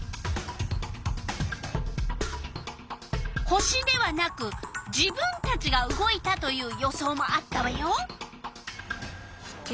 星ではなく自分たちが動いたという予想もあったわよ。